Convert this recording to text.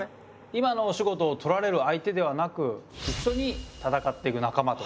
今のお仕事を取られる相手ではなく一緒に戦ってく仲間と。